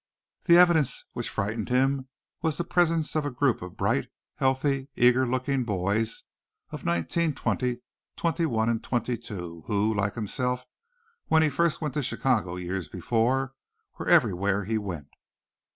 The evidence which frightened him was the presence of a group of bright, healthy, eager looking boys of nineteen, twenty, twenty one and twenty two who, like himself when he first went to Chicago years before, were everywhere he went.